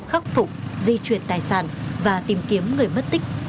khắc phục di chuyển tài sản và tìm kiếm người mất tích